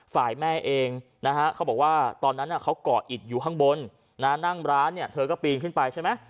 ฝ่ายแม่เองนะฮะเขาบอกว่าตอนนั้นเขาก่ออิดอยู่ข้างบนนั่งร้านเนี่ยเธอก็ปีนขึ้นไปใช่ไหม